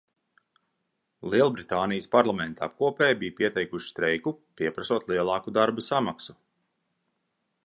Lielbritānijas parlamenta apkopēji bija pieteikuši streiku, pieprasot lielāku darba samaksu.